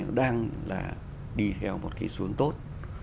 nó đang là đi theo một cái xu hướng tốt